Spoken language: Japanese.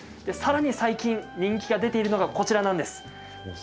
さらに最近人気が出ているのがこちらなんです。